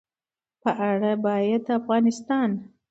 په اړه باید د افغانستان